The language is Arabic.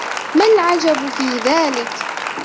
ما العجب في ذلك ؟